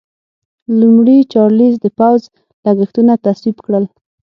لومړي چارلېز د پوځ لګښتونه تصویب کړل.